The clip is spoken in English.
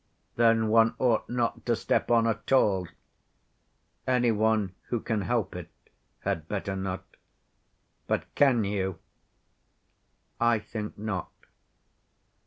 "Then one ought not to step on at all." "Any one who can help it had better not." "But can you?" "I think not."